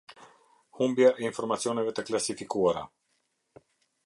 Humbja e Informacioneve të Klasifikuara.